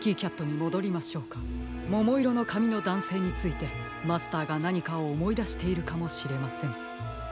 ももいろのかみのだんせいについてマスターがなにかおもいだしているかもしれません。